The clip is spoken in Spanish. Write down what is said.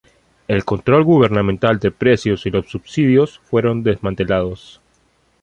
El control gubernamental de precios y los subsidios fueron desmantelados.